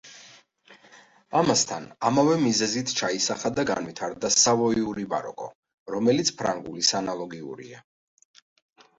ამასთან ამავე მიზეზით ჩაისახა და განვითარდა სავოიური ბაროკო, რომელიც ფრანგულის ანალოგიურია.